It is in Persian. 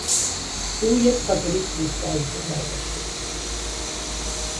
او یک کاتولیک بود که از دین برگشته بود.